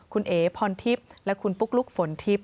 คุณเอ๋พรทิพย์และคุณปุ๊กลุ๊กฝนทิพย